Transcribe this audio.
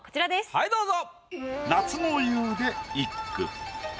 はいどうぞ。